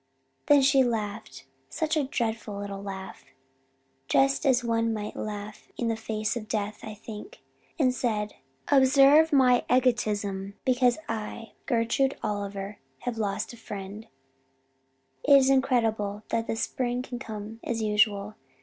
"Then she laughed such a dreadful little laugh, just as one might laugh in the face of death, I think, and said, "'Observe my egotism. Because I, Gertrude Oliver, have lost a friend, it is incredible that the spring can come as usual.